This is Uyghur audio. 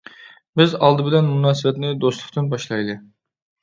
بىز ئالدى بىلەن مۇناسىۋەتنى دوستلۇقتىن باشلايلى.